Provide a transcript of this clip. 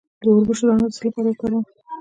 د وربشو دانه د څه لپاره وکاروم؟